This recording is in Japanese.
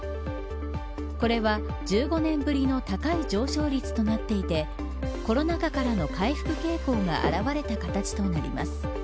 これは１５年ぶりの高い上昇率なっていてコロナ禍からの回復傾向が表れた形となります。